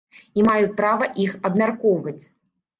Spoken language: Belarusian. І маю права іх абмяркоўваць.